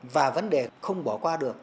và vấn đề không bỏ qua được